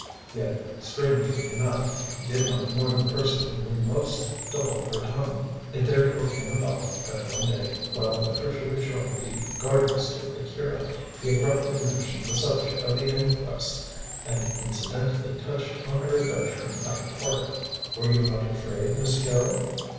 Yet, strangely enough, he did not warn the person who knew most to hold her tongue. It therefore came about that one day, while Patricia was showing the gardens to Akira, he abruptly mentioned the subject of the inquest and incidentally touched on her adventure in Hyde Park. "Were you not afraid, Miss Carrol?"